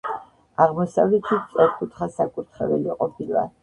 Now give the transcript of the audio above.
აღმოსავლეთით სწორკუთხა საკურთხეველი ყოფილა.